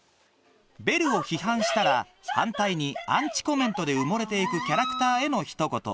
ベルを批判したら反対にアンチコメントで埋もれて行くキャラクターへのひと言